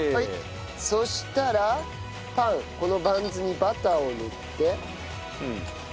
そしたらパンこのバンズにバターを塗って。